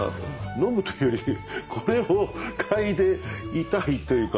飲むというよりこれを嗅いでいたいというか。